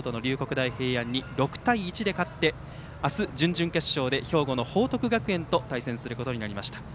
大平安に６対１で勝って明日、準々決勝で兵庫の報徳学園と対戦することになりました。